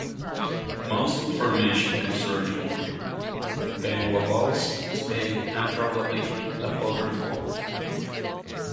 Most information concerning Ben Wa balls is vague and probably apocryphal.